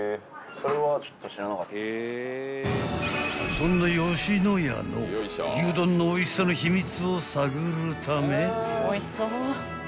［そんな野家の牛丼のおいしさの秘密を探るため］